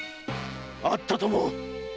会ったとも！